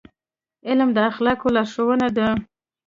علم د اخلاقو لارښود دی.